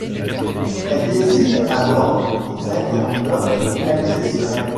Elle décide alors de tout mettre en œuvre pour réaliser ce rêve.